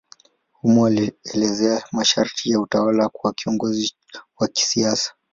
Humo alieleza masharti ya utawala kwa kiongozi wa kisiasa.